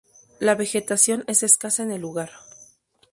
La vegetación es escasa en el lugar.